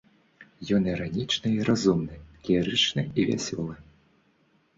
Ён іранічны і разумны, лірычны і вясёлы.